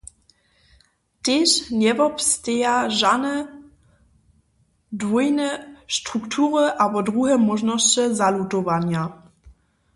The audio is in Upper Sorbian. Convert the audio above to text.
Tež njewobsteja žane dwójne struktury abo druhe móžnosće zalutowanja.